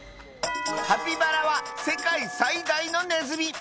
カピバラは世界最大のネズミ